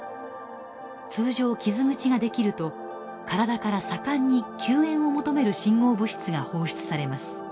通常傷口が出来ると体から盛んに救援を求める信号物質が放出されます。